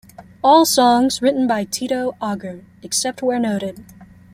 All songs written by Tito Auger, except where noted.